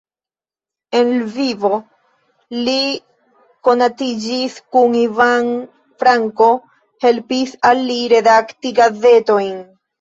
En Lvivo li konatiĝis kun Ivan Franko, helpis al li redakti gazetojn.